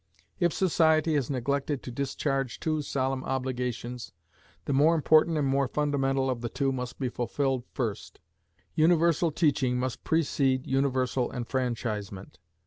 If society has neglected to discharge two solemn obligations, the more important and more fundamental of the two must be fulfilled first; universal teaching must precede universal enfranchisement.